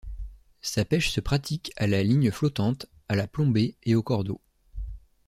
Sa pêche se pratique à la ligne flottante, à la plombée et au cordeau.